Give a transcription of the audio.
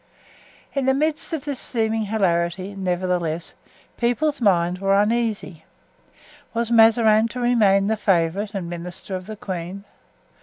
In the midst of this seeming hilarity, nevertheless, people's minds were uneasy. Was Mazarin to remain the favorite and minister of the queen?